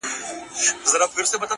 هره هڅه د راتلونکي بنسټ پیاوړی کوي,